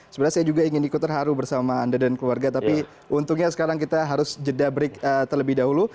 sebenarnya saya juga ingin ikut terharu bersama anda dan keluarga tapi untungnya sekarang kita harus jeda break terlebih dahulu